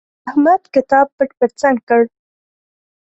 احمد کتاب پټ پر څنګ کړ.